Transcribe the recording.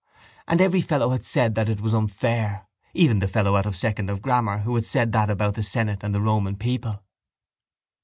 And every fellow had said that it was unfair, even the fellow out of second of grammar who had said that about the senate and the Roman people.